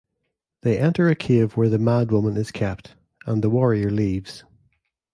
They enter a cave where the madwoman is kept, and the warrior leaves.